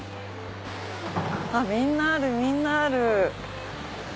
みんなあるみんなある。